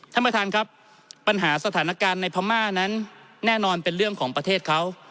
ท่านประธานครับปัญหาสถานการณ์ในพม่านั้นแน่นอนเป็นเรื่องของประเทศเขา